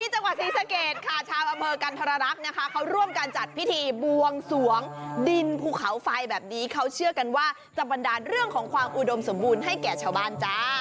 จังหวัดศรีสะเกดค่ะชาวอำเภอกันธรรักษ์นะคะเขาร่วมการจัดพิธีบวงสวงดินภูเขาไฟแบบนี้เขาเชื่อกันว่าจะบันดาลเรื่องของความอุดมสมบูรณ์ให้แก่ชาวบ้านจ้า